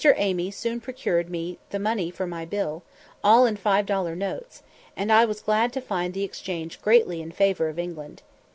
Amy soon procured me the money for my bill, all in five dollar notes, and I was glad to find the exchange greatly in favour of England.